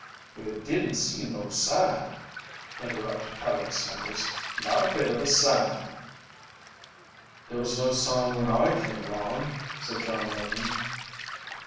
"We didn't see no sign," interrupted Peleg Snuggers. "Not a bit of a sign." "There was no sign when I came along," said John Laning.